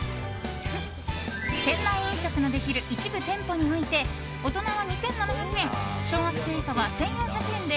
店内飲食のできる一部店舗において大人は２７００円小学生以下は１４００円で